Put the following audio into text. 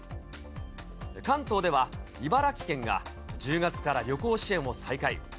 関東では茨城県が、１０月から旅行支援を再開。